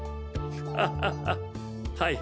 ハハハはい。